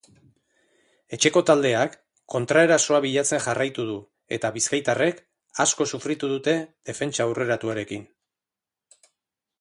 Etxeko taldeak kontraerasoa bilatzen jarraitu du eta bizkaitarrek asko sufritu dute defentsa aurreratuarekin.